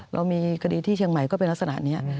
เรามีคดีที่เชียงใหม่ก็เป็นลักษณะนี้